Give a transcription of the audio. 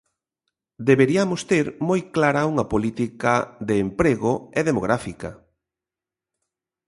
Deberiamos ter moi clara unha política de emprego e demográfica.